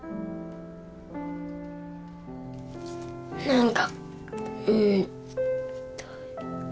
何かうん。